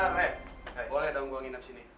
boleh kamu gue nginep sini